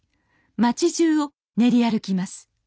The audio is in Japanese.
町じゅうを練り歩きます。